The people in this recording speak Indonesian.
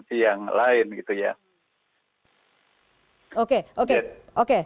tapi kalau dari angka kematian mungkin lebih baik daripada di provinsi yang lain